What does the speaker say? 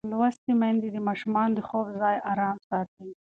لوستې میندې د ماشومانو د خوب ځای ارام ساتي.